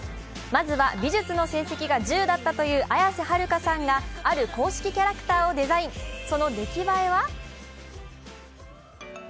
まずは美術の成績が１０だったという綾瀬はるかさんがある公式キャラクターをデザイン、その出来栄えは？